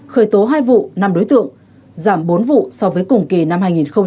khởi tố hai vụ năm đối tượng giảm bốn vụ so với cùng kỳ năm hai nghìn hai mươi